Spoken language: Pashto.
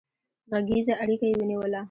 غږيزه اړيکه يې ونيوله